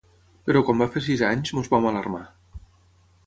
Però quan va fer sis anys ens vam alarmar.